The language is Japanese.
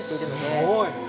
すごい。